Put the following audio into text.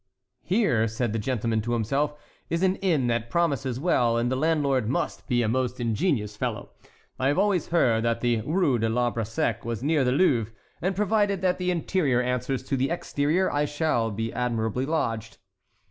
"Here," said the gentleman to himself, "is an inn that promises well, and the landlord must be a most ingenious fellow. I have always heard that the Rue de l'Arbre Sec was near the Louvre; and, provided that the interior answers to the exterior, I shall be admirably lodged."